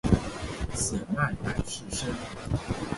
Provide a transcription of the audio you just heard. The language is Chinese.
显脉柏氏参